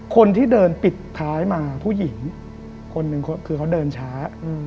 คนที่เดินปิดท้ายมาผู้หญิงคนหนึ่งคือเขาเดินช้า